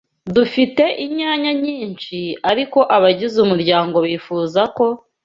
Dufite inyanya nyinshi, ariko abagize umuryango bifuza ko